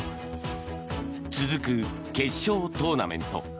続く決勝トーナメント。